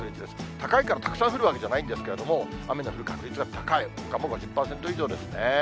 高いからたくさん降るわけじゃないんですけど、雨の降る確率が高い、ほかも５０％以上ですね。